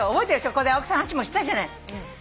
ここで青木さんの話もしたじゃない。